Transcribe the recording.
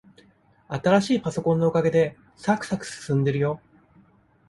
新しいパソコンのおかげで、さくさく進んでるよ。